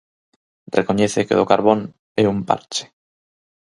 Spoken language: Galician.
Recoñece que o do carbón "é un parche".